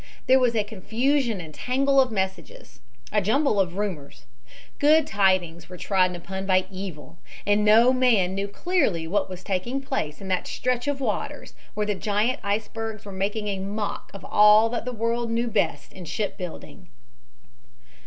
There was a confusion and tangle of messages a jumble of rumors. Good tidings were trodden upon by evil. And no man knew clearly what was taking place in that stretch of waters where the giant icebergs were making a mock of all that the world knew best in ship building.